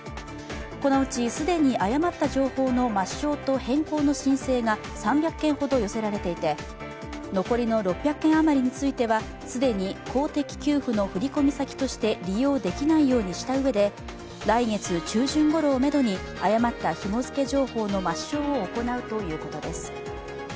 このうち、既に誤った情報の抹消と変更の申請が３００件ほど寄せられていて残りの６００件余りについては既に公的給付の振込先として利用できないようにしたうえで来月中旬ごろをめどに誤ったひも付け情報の抹消を行うということです。